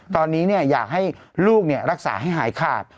ตอนนี้อยากให้ลูกรักษาให้หายขาด